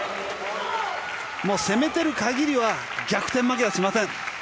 攻めてる限りは逆転負けはしません。